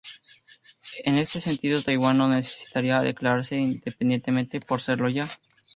En este sentido, Taiwán no necesitaría declararse independiente por serlo ya.